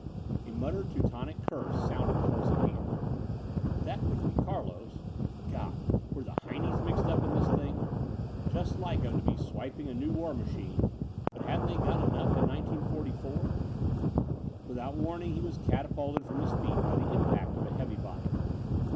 A muttered Teutonic curse sounded close at hand. That wouldn't be Carlos. God! Were the heinies mixed up in this thing? Just like 'em to be swiping a new war machine; but hadn't they gotten enough in 1944? Without warning he was catapulted from his feet by the impact of a heavy body.